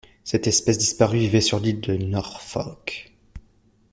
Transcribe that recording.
Cette espèce disparue vivait sur l’île de Norfolk.